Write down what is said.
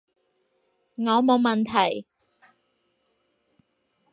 我冇問題